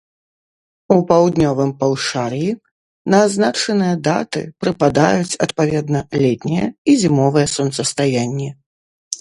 У паўднёвым паўшар'і на азначаныя даты прыпадаюць, адпаведна, летняе і зімовае сонцастаянні.